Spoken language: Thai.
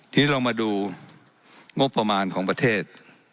ทีนี้เรามาดูงบประมาณของประเทศ